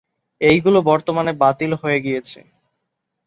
এইগুলো বর্তমানে বাতিল হয়ে গিয়েছে।